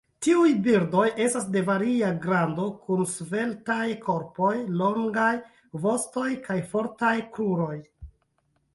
Tiuj birdoj estas de varia grando kun sveltaj korpoj, longaj vostoj kaj fortaj kruroj.